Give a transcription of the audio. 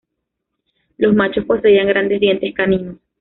Los machos poseían grandes dientes caninos.